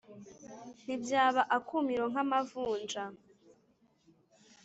nti byaba akumiro nk’amavunja ‘